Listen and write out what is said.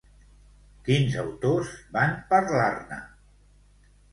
Quins autors van parlar-ne?